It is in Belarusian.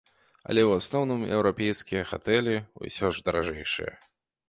Але ў асноўным еўрапейскія гатэлі ўсё ж даражэйшыя.